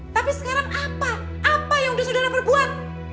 tapi sekarang apa apa yang sudah saudara perbuat